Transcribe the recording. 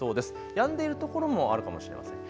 やんでいるところもあるかもしれません。